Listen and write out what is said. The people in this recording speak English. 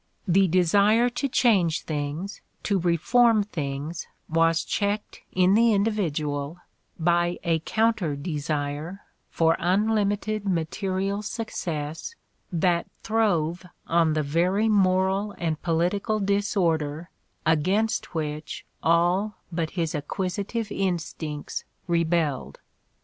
The desire to change things, to reform things was checked in the individual by a counter desire for unlimited material success that 208 The Ordeal of Mark Twain throve on the very moral and political disorder against ■which all but his acquisitive instincts rebelled.